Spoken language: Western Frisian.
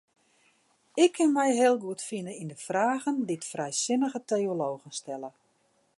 Ik kin my heel goed fine yn de fragen dy't frijsinnige teologen stelle.